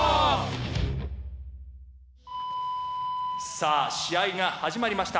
さあ試合が始まりました。